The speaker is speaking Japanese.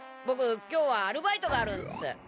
ボク今日はアルバイトがあるんす。